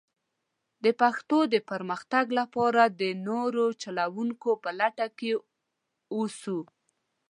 د پښتو د پرمختګ لپاره د نوو چلوونکو په لټه کې ووسو.